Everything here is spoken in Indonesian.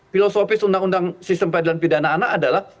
filosofis undang undang sistem peradilan pidana anak adalah